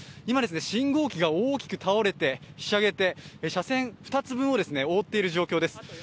今、信号機が多くたおれて、ひしゃげて車線２つ分を覆っている状況です。